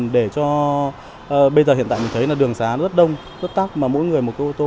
để cho bây giờ hiện tại mình thấy là đường xá rất đông rất tắc mà mỗi người một cái ô tô